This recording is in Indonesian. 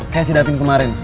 kayak si davin kemarin